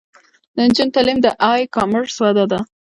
د نجونو تعلیم د ای کامرس وده ده.